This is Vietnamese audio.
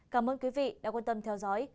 cảm ơn quý vị đã quan tâm theo dõi